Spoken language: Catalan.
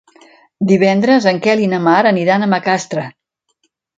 Divendres en Quel i na Mar aniran a Macastre.